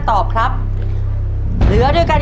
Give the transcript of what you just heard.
ขอบคุณค่ะ